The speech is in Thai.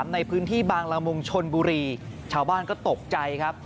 ในพื้นที่บางละมุงชนบุรีชาวบ้านก็ตกใจครับ